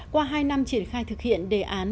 qua hai năm triển khai thực hiện đề án